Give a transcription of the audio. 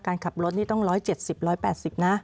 การขับรถนี่ต้อง๑๗๐๑๘๐นะ